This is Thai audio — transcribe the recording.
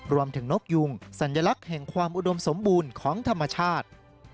นกยุงสัญลักษณ์แห่งความอุดมสมบูรณ์ของธรรมชาติ